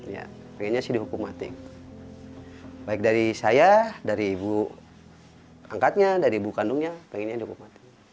ya pengennya sih dihukum mati baik dari saya dari ibu angkatnya dari ibu kandungnya pengennya dihukum mati